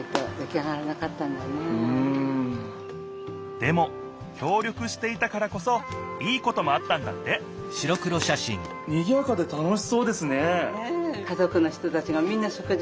でも協力していたからこそいいこともあったんだってにぎやかで楽しそうですね！